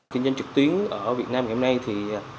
kinh doanh trực tuyến ở việt nam ngày hôm nay thì